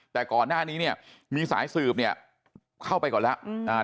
แต่ก่อนหน้านี้เนี่ยมีสายสืบเนี่ยเข้าไปก่อนแล้ว